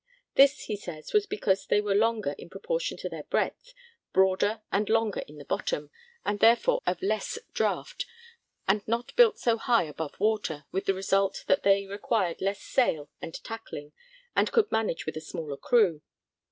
This, he says, was because they were longer in proportion to their breadth, broader and longer in the bottom, and therefore of less draught, and not built so high above water, with the result that they required less sail and tackling and could manage with a smaller crew.